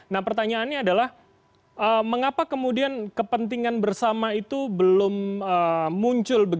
nah pertanyaannya adalah mengapa kemudian kepentingan bersama itu belum muncul